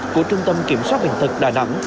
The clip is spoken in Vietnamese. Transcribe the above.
của trung tâm kiểm soát hình thật đà nẵng